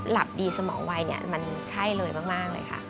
หลับดีสมองไวเนี่ยมันใช่เลยมากเลยค่ะ